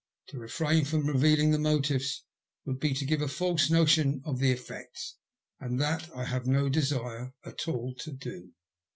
To refrain from revealing the motives would be to give a false notion of the effects, and that I have no desire at all to do.